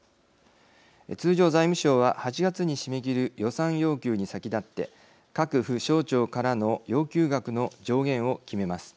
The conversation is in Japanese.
通常、財務省は８月に締め切る予算要求に先立って各府省庁からの要求額の上限を決めます。